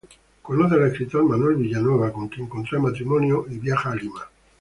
Conoce al escritor Manuel Villanueva, con quien contrae matrimonio y viaja a Lima.